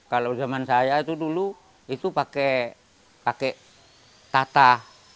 kalau zaman saya itu dulu itu pakai tata